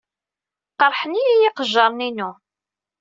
Qerḥen-iyi yiqejjiren-inu.